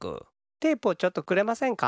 テープをちょっとくれませんか？